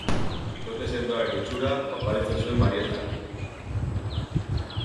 Bikote sendoaren itxura oparitzen zuen Marietak.